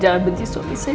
jangan benci suami saya